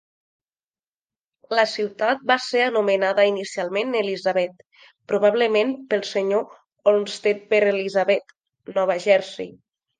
La ciutat va ser anomenada inicialment Elizabeth, probablement pel senyor Olmstead per Elizabeth, Nova Jersey.